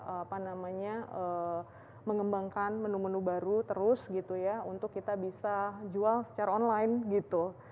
apa namanya mengembangkan menu menu baru terus gitu ya untuk kita bisa jual secara online gitu